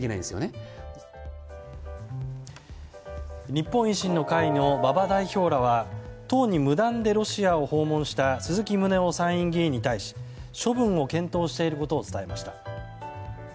日本維新の会の馬場代表らは党に無断でロシアを訪問した鈴木宗男参院議員に対し処分を検討していることを伝えました。